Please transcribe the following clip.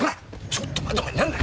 ちょっと待てお前何だ！